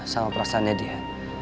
sama perasaannya dia